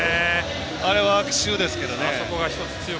あれは奇襲ですけどね。